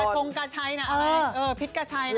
กระชงกระชัยนะพิษกระชัยนะ